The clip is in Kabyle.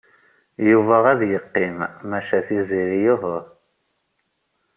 Yuba ad yeqqim, maca Tiziri uhu.